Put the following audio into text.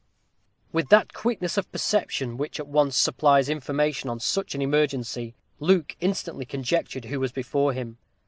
_ With that quickness of perception which at once supplies information on such an emergency, Luke instantly conjectured who was before him.